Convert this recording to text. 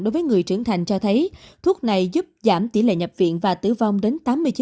đối với người trưởng thành cho thấy thuốc này giúp giảm tỷ lệ nhập viện và tử vong đến tám mươi chín